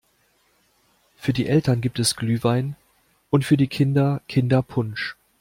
Für die Eltern gibt es Glühwein und für die Kinder Kinderpunsch.